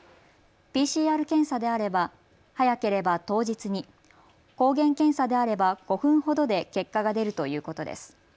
ＰＣＲ検査であれば早ければ当日に、抗原検査であれば５分ほどで結果が出るということです。